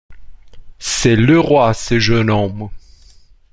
C’est le Roi! ce jeune homme !